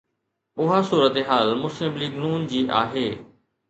اها صورتحال مسلم ليگ ن جي آهي.